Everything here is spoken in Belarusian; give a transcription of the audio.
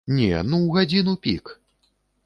Не, ну ў гадзіну-пік!